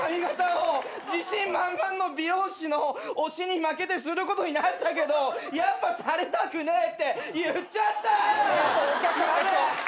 自信満々の美容師の押しに負けてすることになったけどやっぱされたくねえって言っちゃったぁ！